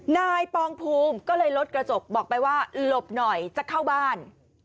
นายปองภูมิก็เลยลดกระจกบอกไปว่าหลบหน่อยจะเข้าบ้าน